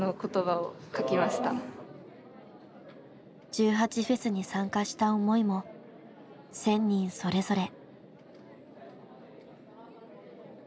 １８祭に参加した思いも１，０００人それぞれ。